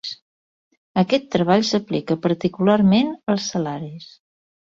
Aquest treball s'aplica particularment als salaris.